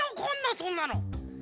そんなの！